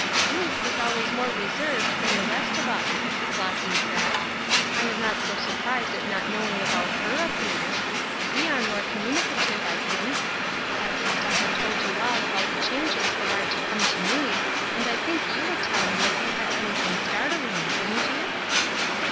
" Ruth was always more reserved than the rest of us," Flossy said. " I am not so surprised at not knowing about her affairs ; we are more communicative, I think. At least I have told you all about the changes that are to come to me, and I think you would tell me if you had anything startling, wouldn't you